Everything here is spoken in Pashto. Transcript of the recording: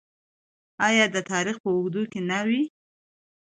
آیا د تاریخ په اوږدو کې نه وي؟